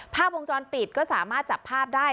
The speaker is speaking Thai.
ภาพวงจรปิดก็สามารถจับภาพได้